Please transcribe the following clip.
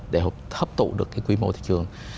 để hấp tụ được quy mô thị trường